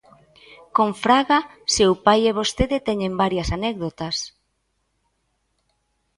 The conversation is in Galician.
Con Fraga, seu pai e vostede teñen varias anécdotas.